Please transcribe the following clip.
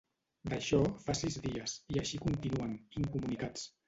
D'això fa sis dies, i així continuen, incomunicats.